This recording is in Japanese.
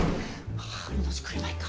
はぁ「命くれない」か。